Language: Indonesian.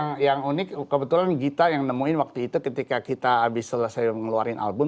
jadi yang unik kebetulan kita yang nemuin waktu itu ketika kita habis selesai ngeluarin album